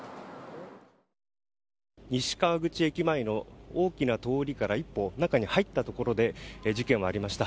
西川口前の大きな通りから１本中に入ったところで事件はありました。